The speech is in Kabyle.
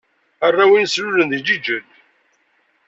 Arraw-nnes lulen deg Ǧiǧel.